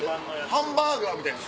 ハンバーガーみたいにすんの？